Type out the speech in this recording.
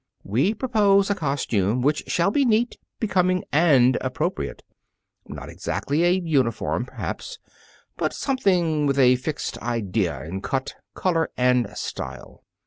We propose a costume which shall be neat, becoming, and appropriate. Not exactly a uniform, perhaps, but something with a fixed idea in cut, color, and style.